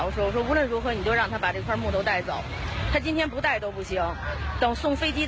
กลับออกจะอยู่ตรงนี้